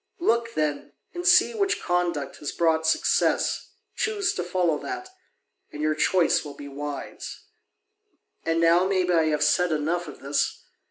Look, then, and see which conduct has brought success, choose to follow that, and your choice will be wise. And now maybe I have said enough of this.